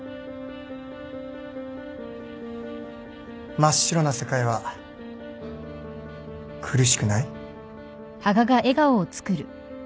真っ白な世界は苦しくない？